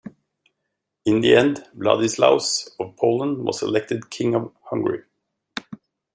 In the end, Vladislaus of Poland was elected King of Hungary.